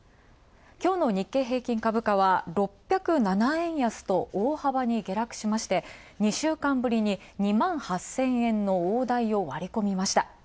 きょうの日経平均株価は、６０７円安と大幅に下落しまして、２週間ぶりに２万８０００円の大台を割り込みました。